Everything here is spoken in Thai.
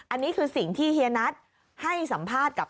อันนี้คือสิ่งที่เฮียนัทให้สัมภาษณ์กับ